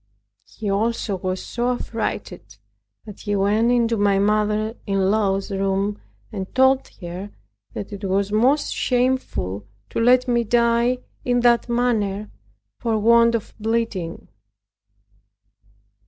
He also was so affrighted that he went into my mother in law's room and told her, that it was most shameful to let me die in that manner, for want of bleeding.